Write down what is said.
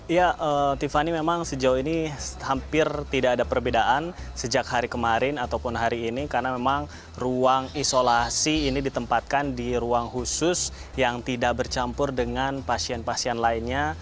ya tiffany memang sejauh ini hampir tidak ada perbedaan sejak hari kemarin ataupun hari ini karena memang ruang isolasi ini ditempatkan di ruang khusus yang tidak bercampur dengan pasien pasien lainnya